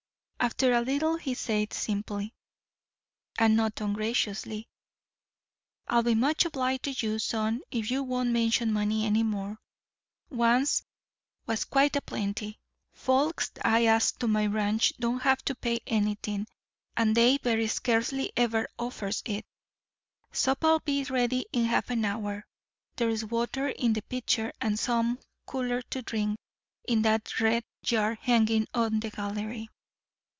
After a little he said simply, and not ungraciously, "I'll be much obliged to you, son, if you won't mention money any more. Once was quite a plenty. Folks I ask to my ranch don't have to pay anything, and they very scarcely ever offers it. Supper'll be ready in half an hour. There's water in the pitcher, and some, cooler, to drink, in that red jar hanging on the gallery."